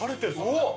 うわっ！